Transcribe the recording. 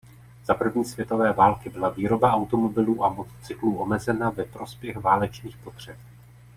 Za první světové války byla výroba automobilů a motocyklů omezena ve prospěch válečných potřeb.